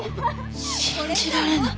信じられない。